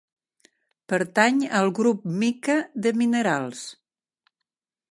Pertany al grup mica de minerals.